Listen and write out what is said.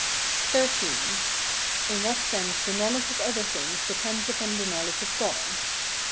XIII. In what sense the knowledge of other things depends upon the knowledge of God.